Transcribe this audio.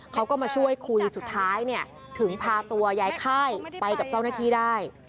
เขาก็มาช่วยคุยสุดท้ายเนี่ยถึงพาตัวยายค่ายไปกับเจ้าหน้าที่ได้